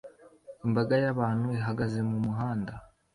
Imbaga y'abantu ihagaze mu muhanda